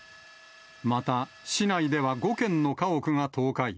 また、市内では５軒の家屋が倒壊。